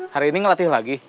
hari ini ngelatih lagi